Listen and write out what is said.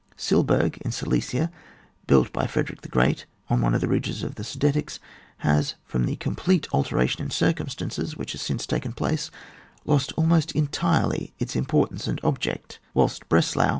Silberberg, in Silesia, built by Frederick the Great on one of the ridges of the Sudetics, has, from the complete altera tion in circumstances which has since taken place, lost almost entirely its im portance and object, whilst Breslau.